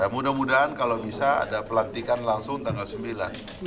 mudah mudahan kalau bisa ada pelantikan langsung tanggal sembilan